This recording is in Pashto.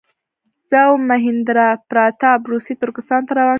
زه او مهیندراپراتاپ روسي ترکستان ته روان شولو.